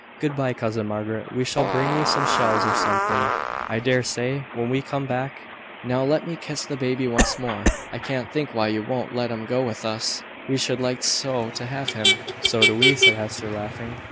Good bye, cousin Margaret. We shall bring you some shells, or something, I dare say, when we come back. Now let me kiss the baby once more. I can't think why you won't let him go with us: we should like so to have him!" "So do we," said Hester, laughing.